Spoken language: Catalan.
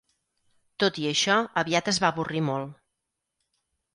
Tot i això, aviat es va avorrir molt.